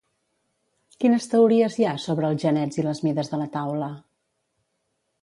Quines teories hi ha sobre els genets i les mides de la taula?